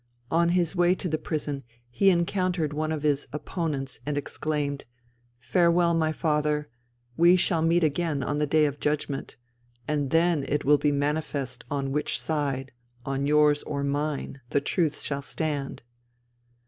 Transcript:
On his way to the prison he encountered one of his opponents and exclaimed, "Farewell, my father; we shall meet again on the day of judgment, and then it will be manifest on which side, on yours or mine, the Truth shall stand."